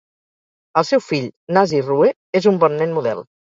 El seu fill, Nahzi Rue, és un bon nen model.